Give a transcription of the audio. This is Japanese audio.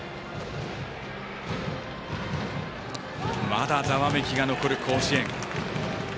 まだざわめきが残る甲子園。